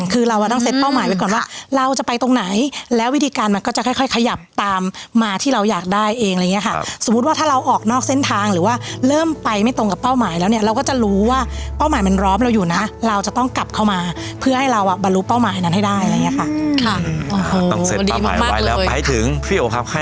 คือเราต้องเซ็ตเป้าหมายไว้ก่อนว่าเราจะไปตรงไหนแล้ววิธีการมันก็จะค่อยขยับตามมาที่เราอยากได้เองอะไรอย่างเงี้ยค่ะสมมุติว่าถ้าเราออกนอกเส้นทางหรือว่าเริ่มไปไม่ตรงกับเป้าหมายแล้วเนี่ยเราก็จะรู้ว่าเป้าหมายมันร้อมเราอยู่นะเราจะต้องกลับเข้ามาเพื่อให้เราอ่ะบรรลุเป้าหมายนั้นให้ได้อะไรอย่างเงี้ยค่ะ